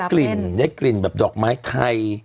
กลิ่นได้กลิ่นแบบดอกไม้ไทย